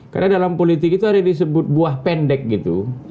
karena dalam politik itu ada yang disebut buah pendek gitu